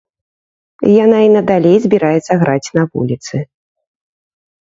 Яна і надалей збіраецца граць на вуліцы.